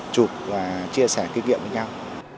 chụp và chia sẻ kinh nghiệm với nhau